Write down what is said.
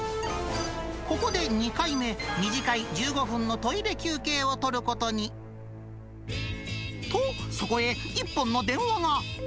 ここで２回目、短い１５分のトイレ休憩を取ることに。と、そこへ１本の電話が。